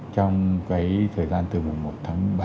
trong cái thời gian từ mùa một tháng bảy